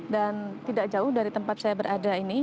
dan tidak jauh dari tempat saya berada ini